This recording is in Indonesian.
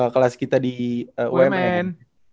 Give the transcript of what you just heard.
kelas kita di umn